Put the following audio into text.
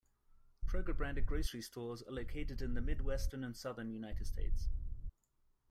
Kroger-branded grocery stores are located in the Midwestern and Southern United States.